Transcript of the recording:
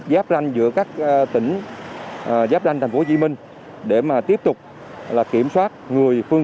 giáp ranh giữa các tỉnh giáp ranh thành phố hồ chí minh để mà tiếp tục là kiểm soát người phương